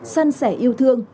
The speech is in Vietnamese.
săn sẻ yêu thương